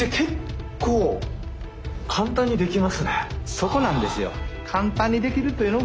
そこなんですよ。